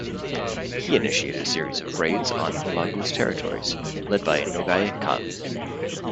He initiated a series of raids on Hulagu's territories, led by Nogai Khan.